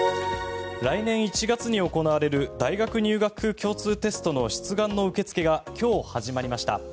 来年１月に行われる大学入学共通テストの出願の受け付けが今日、始まりました。